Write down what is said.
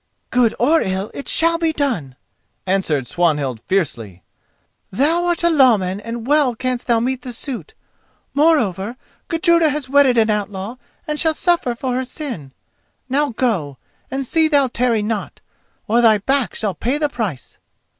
"Good or ill, it shall be done," answered Swanhild fiercely. "Thou art a lawman, and well canst thou meet the suit; moreover Gudruda has wedded an outlaw and shall suffer for her sin. Now go, and see thou tarry not, or thy back shall pay the price."